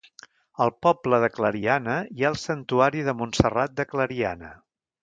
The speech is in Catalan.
Al poble de Clariana hi ha el santuari de Montserrat de Clariana.